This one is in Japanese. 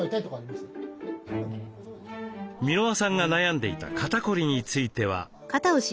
箕輪さんが悩んでいた肩凝りについては。